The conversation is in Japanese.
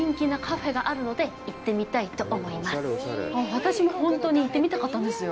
私もほんとに行ってみたかったんですよ。